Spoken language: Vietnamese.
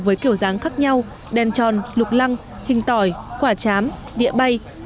với kiểu dáng khác nhau đèn tròn lục lăng hình tỏi quả chám địa bay